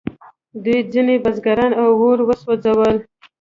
دوی ځینې بزګران په اور وسوځول.